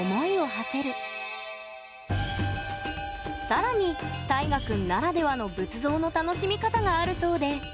さらに、たいがくんならではの仏像の楽しみ方があるそうで。